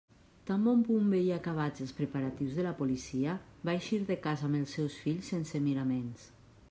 Tan bon punt veié acabats els preparatius de la policia, va eixir de casa amb els seus fills sense miraments.